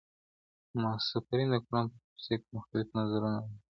مفسرین د قران په تفسیر کي مختلف نظرونه لري.